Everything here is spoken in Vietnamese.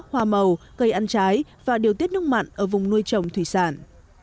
hoa màu cây ăn trái và điều tiết nước mặn ở vùng nuôi trồng thủy sản